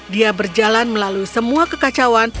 dia berjalan melalui semua kekacauan